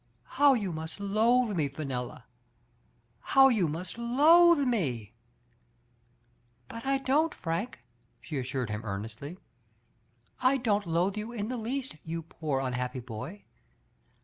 How you must loathe me, Fe nella ! How you must loathe me !" "But I doitt^ Frank/* she assured him earnestly. "I don't loathe you in the least, you poor un happy boy!